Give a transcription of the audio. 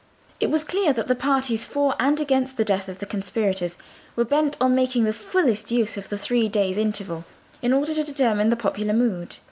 It was clear that the parties for and against the death of the conspirators were bent on making the fullest use of the three days' interval in order to determine the popular mood.